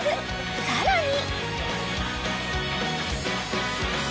［さらに］